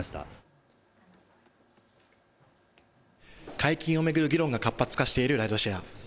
解禁を巡る議論が活発化しているライドシェア。